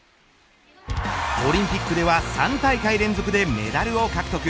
オリンピックでは３大会連続でメダルを獲得。